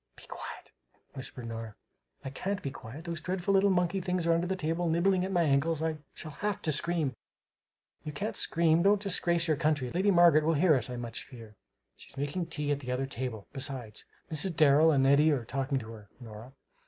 "Be quiet," whispered Nora. "I can't be quiet! Those dreadful little monkey things are under the table, nibbling at my ankles, I shall have to scream!" "You can't scream. Don't disgrace your country. Lady Margaret will hear us, I much fear!" "She's making tea at the other table. Besides, Mrs. Darrel and Eddy are talking to her, Nora.